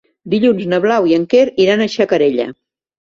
Dilluns na Blau i en Quer iran a Xacarella.